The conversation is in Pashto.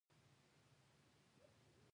د سترګو د عفونت لپاره د شاتو اوبه وکاروئ